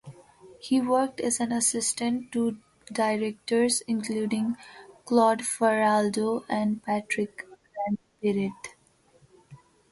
He worked as an assistant to directors including Claude Faraldo and Patrick Grandperret.